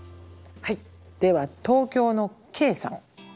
はいでは東京のＫＥＩさん。